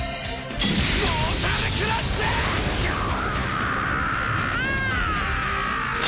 モータルクラッシュ‼ぎょあぁ‼